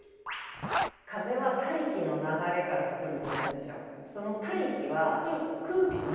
風は大気の流れからくると思うんですよ。